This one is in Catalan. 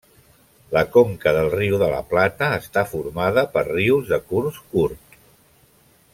La conca del Riu de la Plata està formada per rius de curs curt.